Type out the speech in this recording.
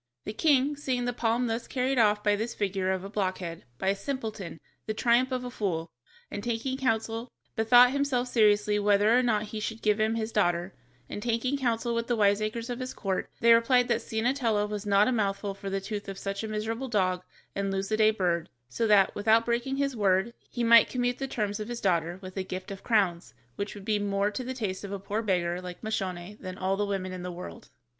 The king, seeing the palm thus carried off by this figure of a blockhead, by a simpleton, the triumph of a fool, bethought himself seriously whether or not he should give him his daughter, and taking counsel with the wiseacres of his court, they replied that Ciennetella was not a mouthful for the tooth of such a miserable dog and lose the day bird, so that, without breaking his word, he might commute the terms of his daughter with a gift of crowns, which would be more to the taste of a poor beggar like Moscione than all the women in the world.